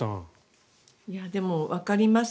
でも、わかります。